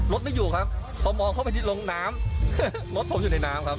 ไม่อยู่ครับพอมองเข้าไปที่ลงน้ำรถผมอยู่ในน้ำครับ